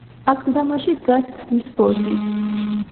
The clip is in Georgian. აკლდამაში დგას ქვის ბოძი.